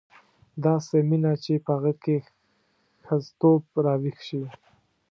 داسې مینه چې په هغه کې ښځتوب راویښ شي.